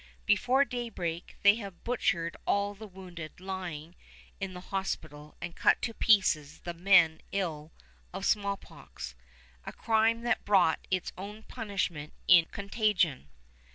Before daybreak they have butchered all the wounded lying in the hospital and cut to pieces the men ill of smallpox, a crime that brought its own punishment in contagion.